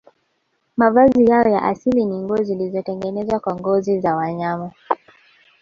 Mavazi yao ya asili ni nguo zilizotengenezwa kwa ngozi za wanyama